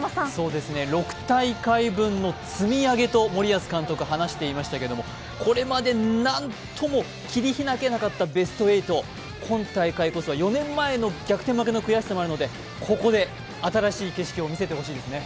６大会分の積み上げと森保監督、話していましたけどこれまで何度も切り開けなかったベスト８、今大会こそは４年前の逆転負けの悔しさもあるのでここで新しい景色を見せてほしいですね。